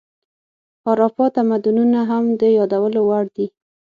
هاراپا تمدنونه هم د یادولو وړ دي.